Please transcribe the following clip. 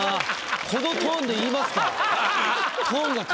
このトーンで言いますか。